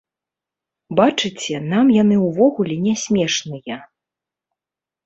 Бачыце, нам яны ўвогуле не смешныя.